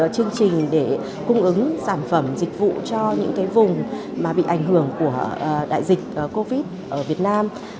chương trình để cung ứng sản phẩm dịch vụ cho những vùng mà bị ảnh hưởng của đại dịch covid ở việt nam